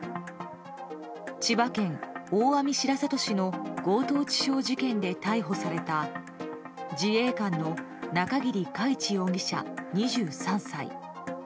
千葉県大網白里市の強盗致傷事件で逮捕された自衛官の中桐海知容疑者、２３歳。